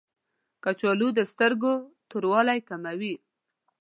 کچالو د سترګو توروالی کموي